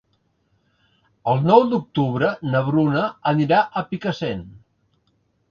El nou d'octubre na Bruna anirà a Picassent.